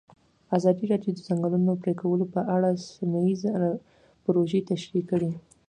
ازادي راډیو د د ځنګلونو پرېکول په اړه سیمه ییزې پروژې تشریح کړې.